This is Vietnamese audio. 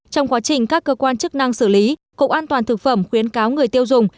trong quá trình các cơ quan chức năng xử lý cục an toàn thực phẩm khuyến cáo người tiêu dùng